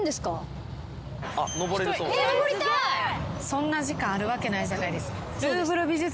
そんな時間あるわけないじゃないですか。